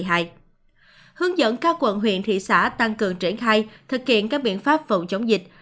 hướng dẫn các quận huyện thị xã tăng cường triển khai thực hiện các biện pháp phòng chống dịch